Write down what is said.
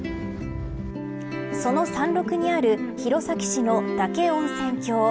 その山麓にある弘前市の嶽温泉郷。